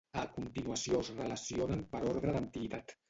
A continuació es relacionen per ordre d'antiguitat.